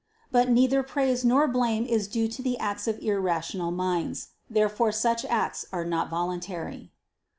But neither praise nor blame is due to the acts of irrational minds. Therefore such acts are not voluntary.